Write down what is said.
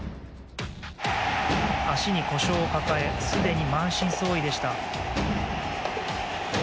足に故障を抱えすでに満身創痍でした。